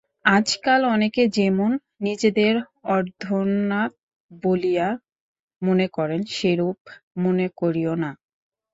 আজকাল অনেকে যেমন নিজেদের অর্ধোন্মাদ বলিয়া মনে করে, সেরূপ মনে করিও না।